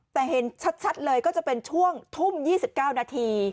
แต่เห็นชัดเลยก็จะเป็นช่วงทุ่ม๒๙นาที